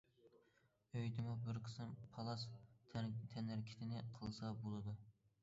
ئۆيدىمۇ بىر قىسىم پالاس تەنھەرىكىتىنى قىلسا بولىدۇ.